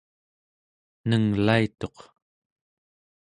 nenglaituq